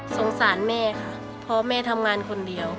สงสารแม่ค่ะเพราะแม่ทำงานคนเดียว